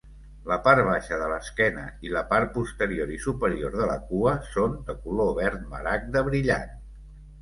La part baixa de l'esquena i la part posterior i superior de la cua són de color verd maragda brillant.